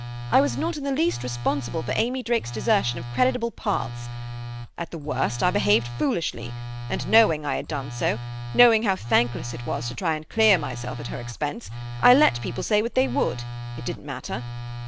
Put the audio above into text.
I was not in the least responsible for Amy Drake's desertion of creditable paths. At the worst I behaved foolishly; and knowing I had done so, knowing how thankless it was to try and clear myself at her expense, I let people say what they would; it didn't matter.